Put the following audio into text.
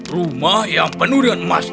rumah yang penuh dengan emas